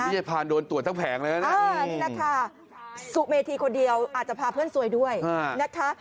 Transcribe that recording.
ยายพาโดนตรวจทั้งแผงเลยนะนี่แหละค่ะสุเมธีคนเดียวอาจจะพาเพื่อนซวยด้วยนะคะ